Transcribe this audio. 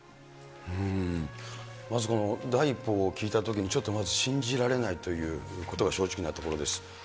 まずこの第一報を聞いたときにちょっとまず信じられないということが正直なところです。